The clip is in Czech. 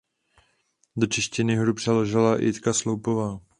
Do češtiny hru přeložila Jitka Sloupová.